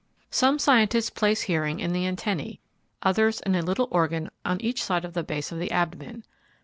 Some scientists place hearing in the antennae, others in a little organ on each side the base of the abdomen.